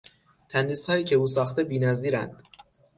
تندیسهایی که او ساخته بینظیرند.